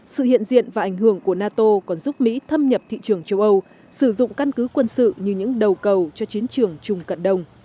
sự hiện diện và ảnh hưởng của nato còn giúp mỹ thâm nhập thị trường châu âu sử dụng căn cứ quân sự như những đầu cầu cho chiến trường chung cận đông